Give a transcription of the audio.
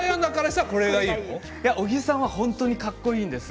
小木さんはとてもかっこいいです。